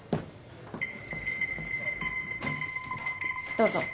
どうぞ。